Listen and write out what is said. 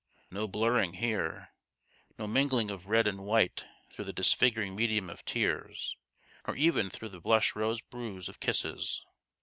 No blurring here ; no mingling of red and white through the dis figuring medium of tears, nor even through the blush rose bruise of kisses